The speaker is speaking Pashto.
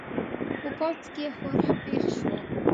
په پوځ کې ښورښ پېښ شو.